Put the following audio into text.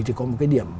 thì có một cái điểm